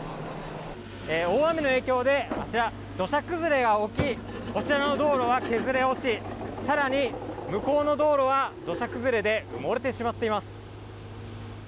大雨の影響で、あちら、土砂崩れが起き、こちらの道路は削れ落ち、さらに向こうの道路は土砂崩れで埋もれてしまっています。